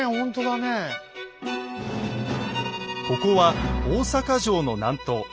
ここは大坂城の南東。